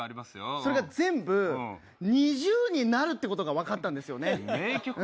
それが全部２０になるってことが分かったんですよね。